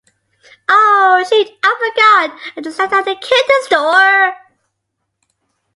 Oh shoot, I forgot! I just left it at the candy store.